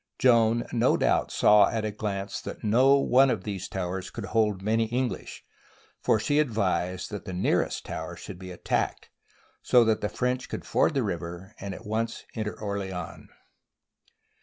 Joan SIEGE OF ORLEANS no doubt saw at a glance that no one of these towers could hold many English, for she advised that the' nearest should be attacked, so that the French could ford the river and at once enter Orleans.